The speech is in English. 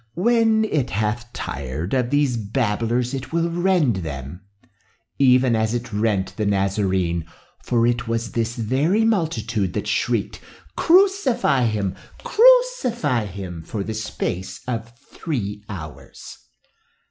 When it hath tired of these babblers it will rend them, even as it rent the Nazarene, for it was this very multitude that shrieked, 'Crucify him! crucify him!' for the space of three hours.